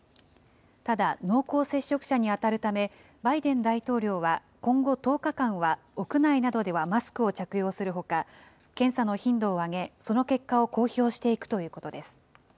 ただ、濃厚接触者に当たるため、バイデン大統領は今後１０日間は屋内などではマスクを着用するほか、検査の頻度を上げ、その結果を公表していくということです。